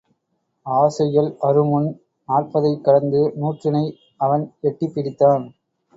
ஆசைகள் அறுமுன் நாற்பதைக் கடந்து நூற்றினை அவன் எட்டிப்பிடித்தான்.